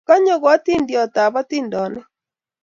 Kanyo ko u atindiot ab atindonik